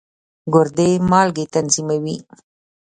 ګردې مالګې تنظیموي.